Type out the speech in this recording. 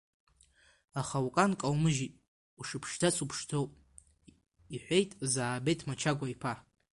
Аха укан каумыжьит, ушыԥшӡац уԥшӡоуп, — иҳәеит Заабеҭ Мачагәа-иԥа.